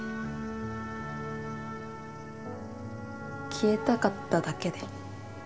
消えたかっただけで。